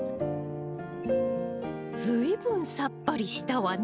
随分さっぱりしたわね。